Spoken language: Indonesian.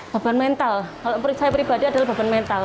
beban mental kalau percaya pribadi adalah beban mental